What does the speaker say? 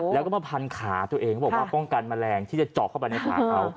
แล้วก็มาพันขาตัวเองเขาบอกว่าป้องกันแมลงที่จะเจาะเข้าไปในขาเขา